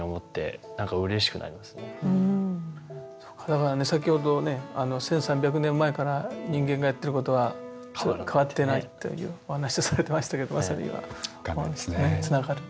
だからね先ほどね１，３００年前から人間がやっていることは変わってないっていうお話をされてましたけどまさに今。つながる。